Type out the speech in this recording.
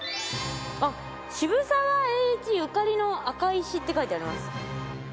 渋沢栄一ゆかりの赤石って書いてあります。